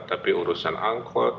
tapi urusan angkot